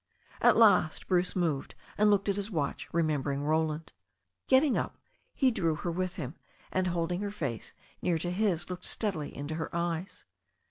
At last Bruce moved and looked at his watch, remember ing Roland. Getting up, he drew her with him, and holding her face near to his looked steadily into her eyes.